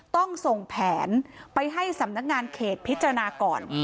ต้องส่งแผนไปให้สำนักงานเขตพิจารณาก่อน